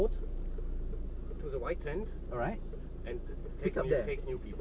ผมชอบปลาไทยคอมเมียม